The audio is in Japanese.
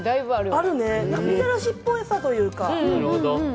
なんか、みたらしっぽいというか。